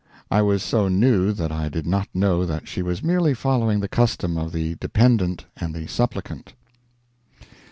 I was so new that I did not know that she was merely following the custom of the dependent and the supplicant.